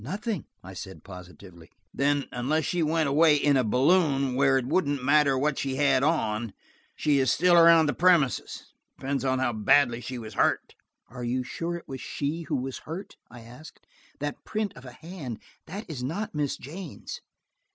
"Nothing," I said positively. "Then, unless she went away in a balloon, where it wouldn't matter what she had on, she is still around the premises. It depends on how badly she was hurt." "Are you sure it was she who was hurt?" I asked. "That print of a hand–that is not Miss Jane's."